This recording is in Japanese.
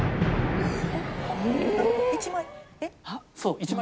１枚。